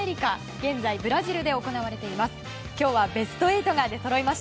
現在ブラジルで行われています。